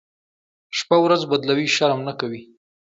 شپه ورځ بدلوي، شرم نه کوي.